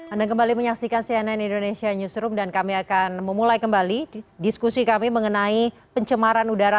anda kembali menyaksikan cnn indonesia newsroom dan kami akan memulai kembali diskusi kami mengenai pencemaran udara